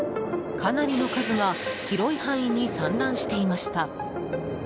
かなりの数が広い範囲に散乱していました。